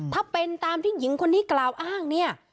ถ้าเป็นตามที่หญิงคนนี้กล่าวอ้างเนี่ย